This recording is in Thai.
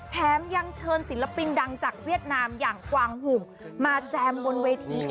แถมยังเชิญศิลปินดังจากเวียดนามอย่างกวางหุ่มมาแจมบนเวที